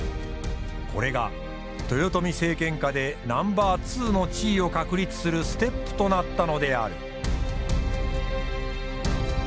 これが豊臣政権下でナンバー２の地位を確立するステップとなったのである。